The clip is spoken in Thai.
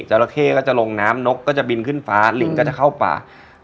ราเข้ก็จะลงน้ำนกก็จะบินขึ้นฟ้าลิงก็จะเข้าป่า